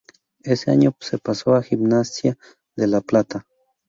Ese año se pasó a Gimnasia de La Plata.